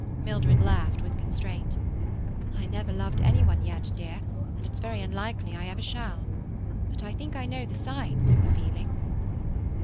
Mildred laughed, with constraint. "I never loved any one yet, dear, and it's very unlikely I ever shall. But I think I know the signs of the feeling."